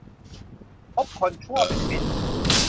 คบคนชั่วเป็นมิตร